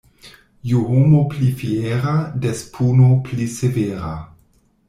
Ju homo pli fiera, des puno pli severa.